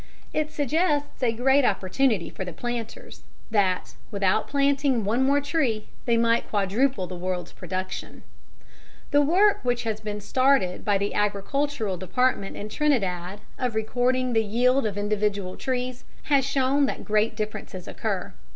It suggests a great opportunity for the planters that, without planting one more tree, they might quadruple the world's production. The work which has been started by the Agricultural Department in Trinidad of recording the yield of individual trees has shown that great differences occur.